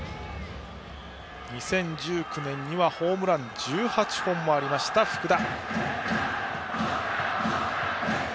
２０１９年にはホームランが１８本もありました福田。